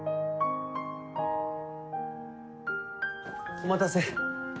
お待たせ。